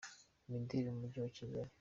imideli mu Mujyi wa Kigali.